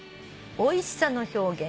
「おいしさの表現」